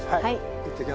いってきます。